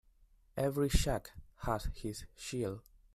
Every Jack has his Jill.